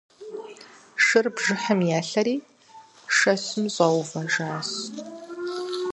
Шыр бжыхьым елъэри шэщым щӀэувэжащ.